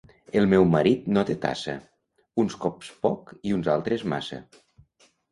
El meu marit no té tassa: uns cops poc i uns altres massa.